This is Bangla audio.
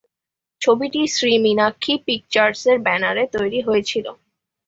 ছবিটি শ্রী মীনাক্ষী পিকচার্সের ব্যানারে তৈরি হয়েছিল।